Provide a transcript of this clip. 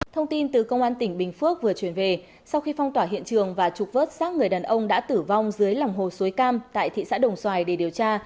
thông tin từ công an tỉnh bình phước vừa chuyển về sau khi phong tỏa hiện trường và trục vớt xác người đàn ông đã tử vong dưới lòng hồ suối cam tại thị xã đồng xoài để điều tra